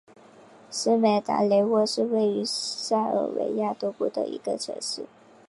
斯梅代雷沃是位于塞尔维亚东北部的一个城市。